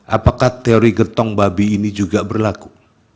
apakah teori gertong babi ini juga berlaku